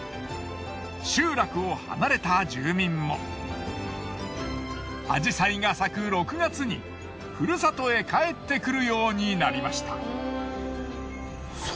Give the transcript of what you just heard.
集落を離れた住民もアジサイが咲く６月にふるさとへ帰ってくるようになりました。